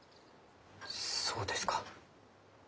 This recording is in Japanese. そうですか。